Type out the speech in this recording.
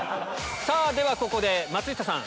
ではここで松下さん